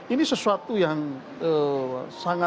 ini sesuatu yang sangat